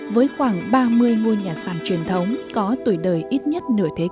với khoảng ba mươi ngôi nhà sản truyền thống có tuổi đời ít nhất